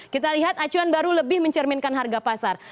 kita lihat acuan baru lebih mencerminkan harga pasar